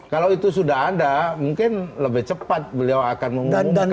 kalau itu sudah ada mungkin lebih cepat beliau akan mengumumkan